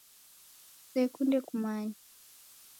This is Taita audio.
Kusekunde kumanya.